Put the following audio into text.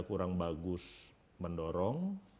kurang bagus mendorong